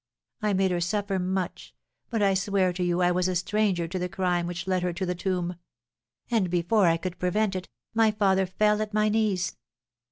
I made her suffer much, but I swear to you I was a stranger to the crime which led her to the tomb!' and before I could prevent it, my father fell at my knees.